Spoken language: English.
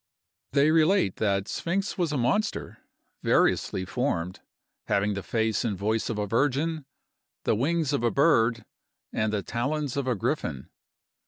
They relate that Sphinx was a monster, variously formed, having the face and voice of a virgin, the wings of a bird, and the talons of a griffin.